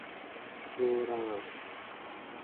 چھوراں